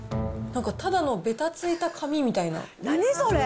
なんかただのべたついた紙みたいな。